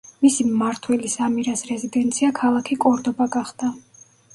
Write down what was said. მისი მმართველის ამირას რეზიდენცია ქალაქი კორდობა გახდა.